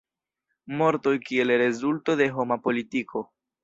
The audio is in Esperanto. Mortoj kiel rezulto de homa politiko.